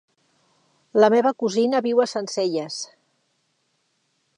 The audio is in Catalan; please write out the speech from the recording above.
La meva cosina viu a Sencelles.